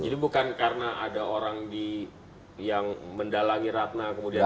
jadi bukan karena ada orang yang mendalangi ratna kemudian